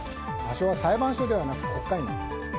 場所は裁判所ではなく国会内。